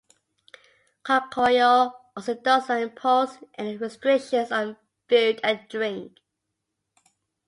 Konkokyo also does not impose any restrictions on food and drink.